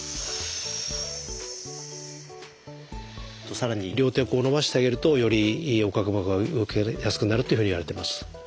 さらに両手を伸ばしてあげるとより横隔膜が動きやすくなるというふうにいわれてます。